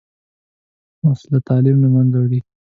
وسله تعلیم له منځه وړي